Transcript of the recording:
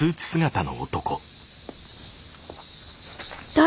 誰！？